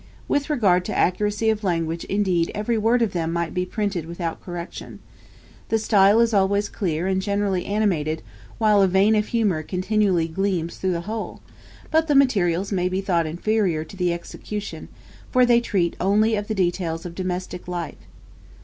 With regard to accuracy of language indeed every word of them might be printed without correction. The style is always clear, and generally animated, while a vein of humour continually gleams through the whole; but the materials may be thought inferior to the execution, for they treat only of the details of domestic life.